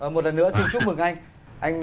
một lần nữa xin chúc mừng anh